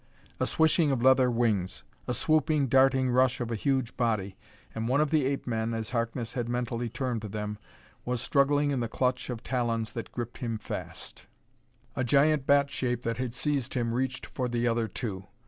A swishing of leather wings! a swooping, darting rush of a huge body! and one of the ape men, as Harkness had mentally termed them, was struggling in the clutch of talons that gripped him fast. The giant bat shape that had seized him reached for the other, too.